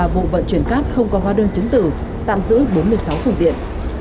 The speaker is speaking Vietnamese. ba mươi ba vụ vận chuyển cắt không có hoa đơn chứng tử tạm giữ bốn mươi sáu phùng tiện